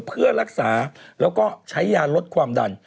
เพื่อรักษาแล้วก็ใช้ยาลดความดัน